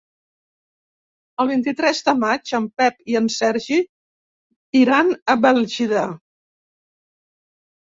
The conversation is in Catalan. El vint-i-tres de maig en Pep i en Sergi iran a Bèlgida.